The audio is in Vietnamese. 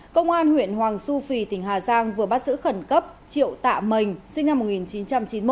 công an huyện hoàng su phi tỉnh hà giang vừa bắt giữ khẩn cấp triệu tạ mình sinh năm một nghìn chín trăm chín mươi